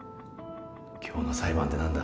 今日の裁判って何だ？